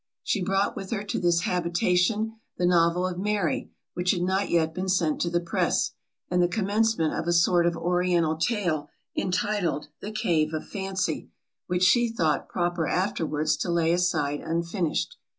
She brought with her to this habitation, the novel of Mary, which had not yet been sent to the press, and the commencement of a sort of oriental tale, entitled, the Cave of Fancy, which she thought proper afterwards to lay aside unfinished.